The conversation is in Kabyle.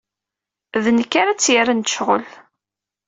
D nekk ara tt-yerren d ccɣel.